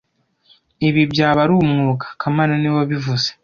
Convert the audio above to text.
Ibi byaba ari umwuga kamana niwe wabivuze